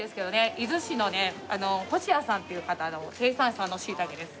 伊豆市のね星谷さんっていう方の生産者の椎茸です。